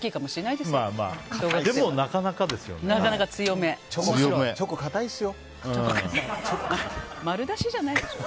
でも、なかなかですよね。